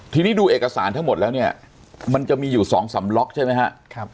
ทีนี้ดูเอกสารทั้งหมดแล้วเนี่ยมันจะมีอยู่๒สำล็อกใช่ไหมฮะ